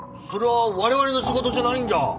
それは我々の仕事じゃないんじゃ。